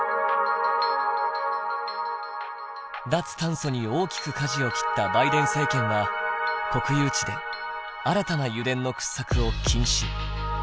脱炭素に大きくかじを切ったバイデン政権は国有地で新たな油田の掘削を禁止。